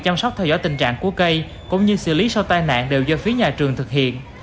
chăm sóc theo dõi tình trạng của cây cũng như xử lý sau tai nạn đều do phía nhà trường thực hiện